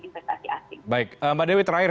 investasi asing baik mbak dewi terakhir